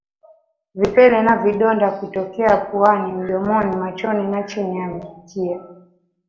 Vipele na vidonda kutokea puani mdomoni machoni na chini ya mkia